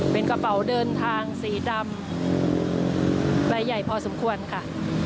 เป็นกระเป๋าเดินทางสีดำลายใหญ่พอสมควรค่ะ